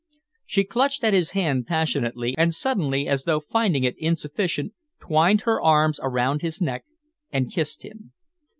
She clutched at his hand passionately, and suddenly, as though finding it insufficient, twined her arms around his neck and kissed him.